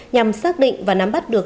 nhằm xác định và nắm bắt được